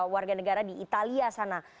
warga negara di italia sana